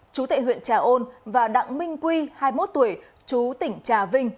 chú tệ huyện trà ôn và đặng minh quy hai mươi một tuổi chú tỉnh trà vinh